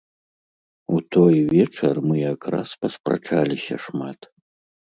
У той вечар мы як раз паспрачаліся шмат.